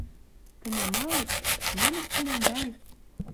Тӹнь амалет? Мам ӹштенӓм вӓл?